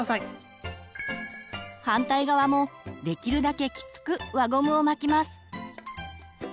反対側もできるだけきつく輪ゴムを巻きます。